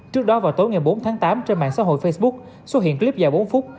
trước đó vào tối ngày bốn tháng tám trên mạng xã hội facebook xuất hiện clip dài bốn phút